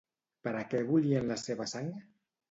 Per a què volien la seva sang?